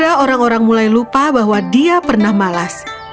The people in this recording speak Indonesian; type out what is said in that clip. dan segera orang orang mulai lupa bahwa dia pernah malas